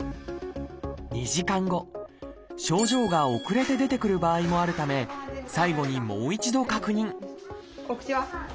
２時間症状が遅れて出てくる場合もあるため最後にもう一度確認お口は？